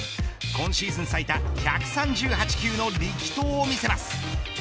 今シーズン最多１３８球の力投を見せます。